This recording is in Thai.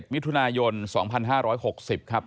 มิถุนายน๒๕๖๐ครับ